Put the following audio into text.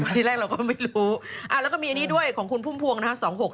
ที่แรกเราก็ไม่รู้แล้วก็มีอันนี้ด้วยของคุณพุ่มพวงนะฮะ